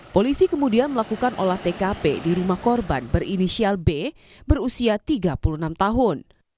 polisi kemudian melakukan olah tkp di rumah korban berinisial b berusia tiga puluh enam tahun